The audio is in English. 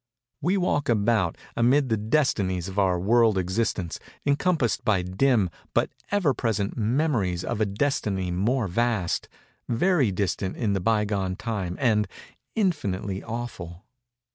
We walk about, amid the destinies of our world existence, encompassed by dim but ever present Memories of a Destiny more vast—very distant in the by gone time, and infinitely awful.